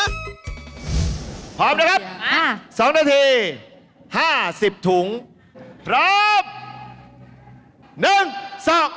พร้อมนะครับ๒นาที๕๐ถุงพร้อม